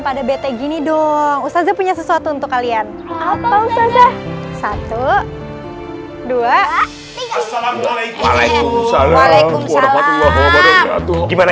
pada bete gini dong ustaz punya sesuatu untuk kalian satu dua tiga